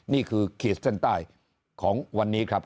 นี่คือขีดเส้นใต้ของวันนี้ครับ